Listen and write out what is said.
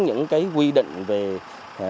những cái quy định về